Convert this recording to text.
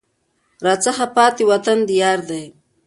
راڅخه پاته وطن د یار دی